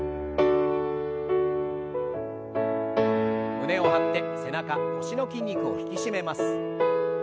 胸を張って背中腰の筋肉を引き締めます。